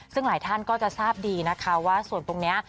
ซึ่งหลายท่านก็จะทราบดีนะคะว่าส่วนตรงนี้